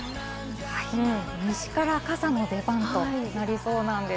西から傘の出番となりそうなんです。